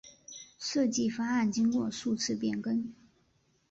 设计方案经过数次变更。